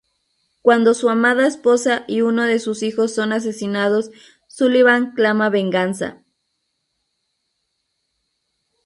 Cuando su amada esposa y uno de sus hijos son asesinados Sullivan clama venganza.